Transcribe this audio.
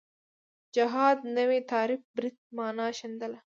جهاد نوی تعریف برید معنا ښندله